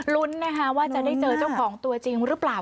ลุ้นนะคะว่าจะได้เจอเจ้าของตัวจริงหรือเปล่า